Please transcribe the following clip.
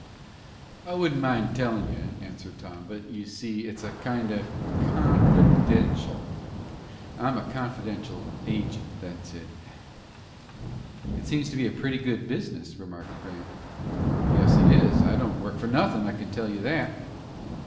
"I wouldn't mind tellin' you," answered Tom, "but, you see, it's kind of confidential. I'm a confidential agent; that's it." "It seems to be a pretty good business," remarked Grant. "Yes, it is; I don't work for nothin', I can tell you that."